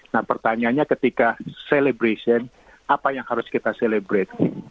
nah pertanyaannya ketika celebration apa yang harus kita celebrate